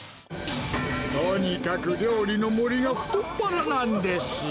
とにかく料理の盛りが太っ腹なんです。